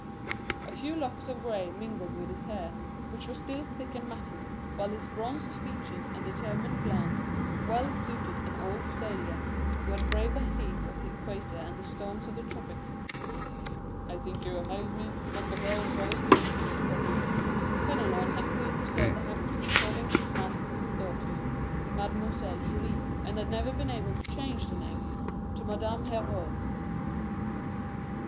A few locks of gray mingled with his hair, which was still thick and matted, while his bronzed features and determined glance well suited an old sailor who had braved the heat of the equator and the storms of the tropics. "I think you hailed me, Mademoiselle Julie?" said he. Penelon had still preserved the habit of calling his master's daughter "Mademoiselle Julie," and had never been able to change the name to Madame Herbault.